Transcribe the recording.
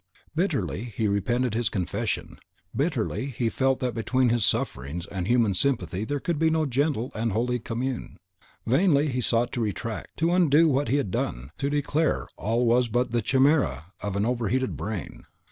Bitterly he repented his confession; bitterly he felt that between his sufferings and human sympathy there could be no gentle and holy commune; vainly he sought to retract, to undo what he had done, to declare all was but the chimera of an overheated brain!